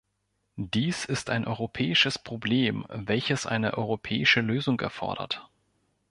Dies ist ein europäisches Problem, welches eine europäische Lösung erfordert.